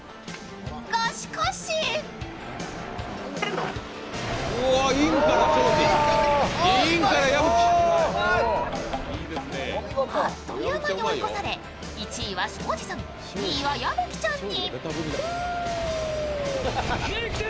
が、しかしあっという間に追い越され、１位は庄司さん、２位は矢吹ちゃんに。